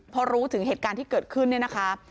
พอรู้ถึงเหตุการณ์ที่เกิดขึ้นเนี่ยนะคะ